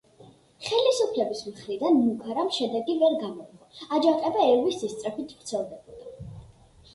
ხელისუფლების მხრიდან მუქარამ შედეგი ვერ გამოიღო, აჯანყება ელვის სისწრაფით ვრცელდებოდა.